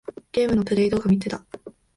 ゲームのプレイ動画みてた。